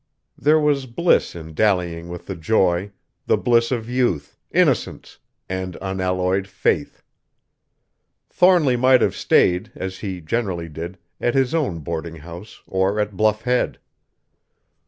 There was bliss in dallying with the joy, the bliss of youth, innocence, and unalloyed faith. Thornly might have stayed, as he generally did, at his own boarding house or at Bluff Head.